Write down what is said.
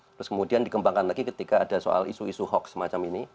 terus kemudian dikembangkan lagi ketika ada soal isu isu hoax semacam ini